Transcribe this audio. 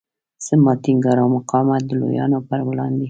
زما ټینګار او مقاومت د لویانو پر وړاندې.